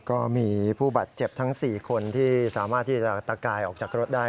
ก็มีผู้บาดเจ็บทั้ง๔คนที่สามารถที่จะตะกายออกจากรถได้